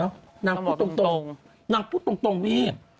นางพูดตรงนางพูดตรงวี่